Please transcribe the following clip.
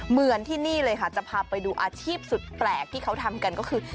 เหมือนที่นี่เลยค่ะจะพาไปดูอาชีพสุดแปลกที่เขาทำกันก็คือ